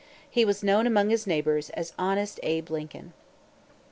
He was known among his neighbors as "Honest Abe Lincoln."